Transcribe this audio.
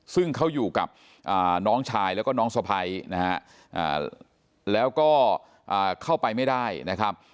ซึ่งเขาอยู่กับน้องชายแล้วก็น้องสะพ้ายนะฮะแล้วก็เข้าไปไม่ได้นะครับ